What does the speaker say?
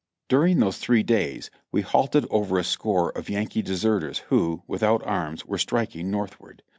During those three days we halted over a score of Yankee de serters who, without arms, were striking northward.